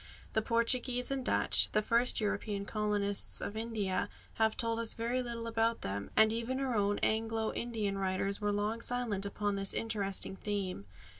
The Portuguese and Dutch the first European colonists of India have told us very little about them; and even our own Anglo Indian writers were long silent upon this interesting theme.